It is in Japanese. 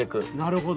なるほど。